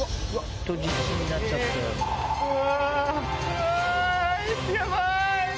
うわ。